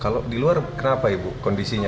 kalau di luar kenapa ibu kondisinya